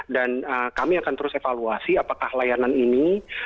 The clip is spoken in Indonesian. dan kami akan terus evaluasi apakah layanan ini